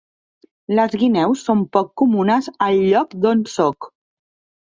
Les guineus són poc comunes al lloc d'on soc.